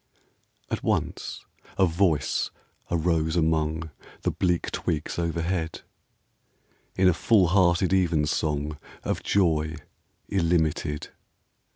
At once a voice arose among The bleak twigs overhead, In a full hearted evensong Of joy illimited.